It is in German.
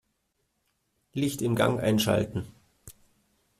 Licht im Gang einschalten.